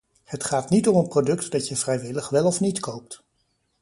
Het gaat niet om een product dat je vrijwillig wel of niet koopt.